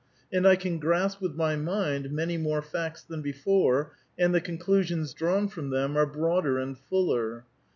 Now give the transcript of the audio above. And I can grasp with my mind many more facts than before, and the conclusions drawn from them are broader and fuller.